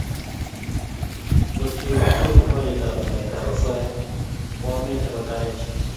kotke utie porier ap namet ap osoya koamech akotarech